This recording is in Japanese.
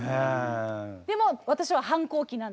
でも私は反抗期なんで。